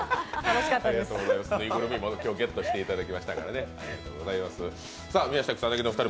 ぬいぐるみも今日ゲットしていただきましたからね。